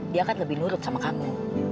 dia kan lebih nurut sama kamu